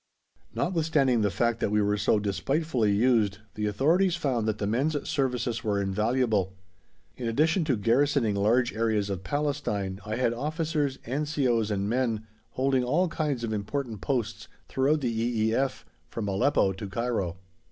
Notwithstanding the fact that we were so despitefully used, the authorities found that the men's services were invaluable. In addition to garrisoning large areas of Palestine, I had officers, N.C.O.s, and men, holding all kinds of important posts throughout the E.E.F., from Aleppo to Cairo.